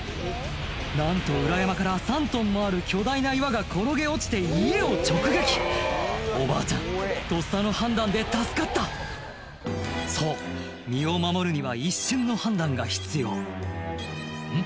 なんと裏山から３ｔもある巨大な岩が転げ落ちて家を直撃おばあちゃんとっさの判断で助かったそう身を守るには一瞬の判断が必要うん？